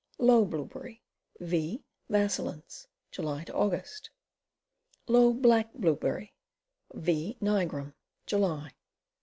Low Blueberry. V. vacillans. July Aug. Low Black Blueberry. V. nigrum. July.